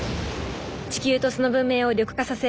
地球とその文明を緑化させアラート